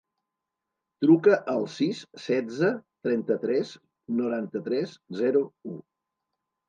Truca al sis, setze, trenta-tres, noranta-tres, zero, u.